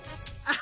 あ！